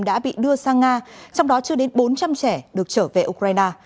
đã bị đưa sang nga trong đó chưa đến bốn trăm linh trẻ được trở về ukraine